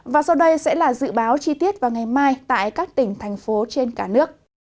và sau đây sẽ là dự báo chi tiết vào ngày mai tại các tỉnh thành phố trên cả nước